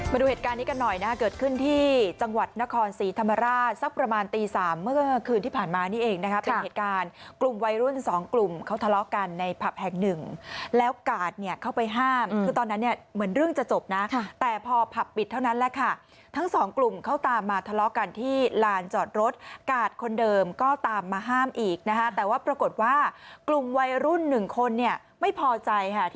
มาดูเหตุการณ์นี้กันหน่อยนะเกิดขึ้นที่จังหวัดนครสีธรรมราชสักประมาณตีสามเมื่อคืนที่ผ่านมานี่เองนะครับเป็นเหตุการณ์กลุ่มวัยรุ่นสองกลุ่มเขาทะเลาะกันในผับแห่งหนึ่งแล้วกาศเนี่ยเข้าไปห้ามคือตอนนั้นเนี่ยเหมือนเรื่องจะจบนะแต่พอผับปิดเท่านั้นแหละค่ะทั้งสองกลุ่มเขาตามมาทะเลาะกันที่ลานจ